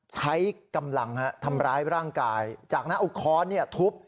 ใช้กำลังฮะทำร้ายร่างกายจากหน้าอุคคลเนี่ยทุบ